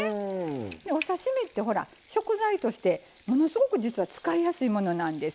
お刺身って食材としてものすごく実は使いやすいものなんです。